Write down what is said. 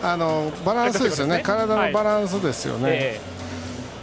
体のバランスですよね。